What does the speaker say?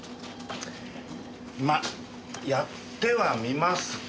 まあやってはみますけど。